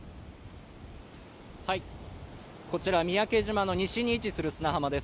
こちらは三宅島の西に位置する砂浜です